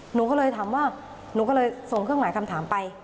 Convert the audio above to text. หนูก็เลยส่งเครื่องหมายคำถามไป